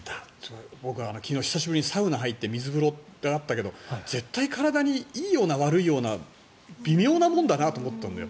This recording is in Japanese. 僕、昨日久しぶりにサウナに入って水風呂ってあったけど絶対体にいいような悪いような微妙なもんだなと思ったんだよ。